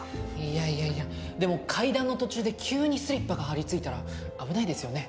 いやいやいやでも階段の途中で急にスリッパが張りついたら危ないですよね。